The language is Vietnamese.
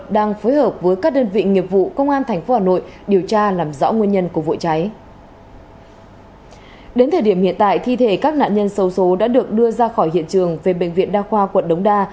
đến thời điểm hiện tại thi thể các nạn nhân sâu xố đã được đưa ra khỏi hiện trường về bệnh viện đa khoa quận đống đa